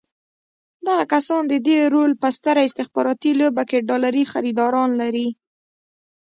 دغه کسان د دې رول په ستره استخباراتي لوبه کې ډالري خریداران لري.